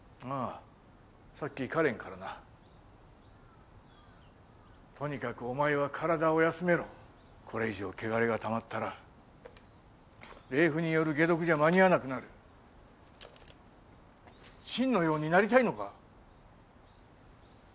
ああさっきカレンからなとにかくお前は体を休めろこれ以上穢れがたまったら霊符による解毒じゃ間に合わなくなる真のようになりたいのか？